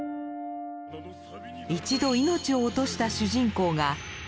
一度命を落とした主人公が。